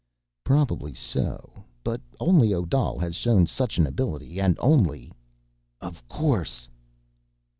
"Probably so. But only Odal has shown such an ability, and only ... _of course!